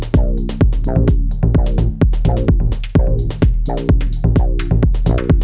mau sebagian gitu lagi